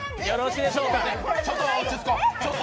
ちょっと落ち着こう